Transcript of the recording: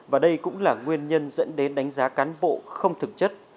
và đây cũng là nguyên nhân dẫn đến đánh giá cán bộ không thực chất